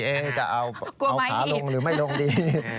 จะเอาขาลงหรือไม่ลงดี